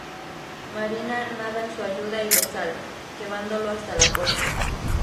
Marina nada en su ayuda y lo salva, llevándolo hasta la costa.